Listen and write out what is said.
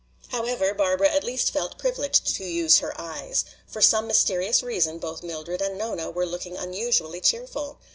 However, Barbara at least felt privileged to use her eyes. For some mysterious reason both Mildred and Nona were looking unusually cheerful.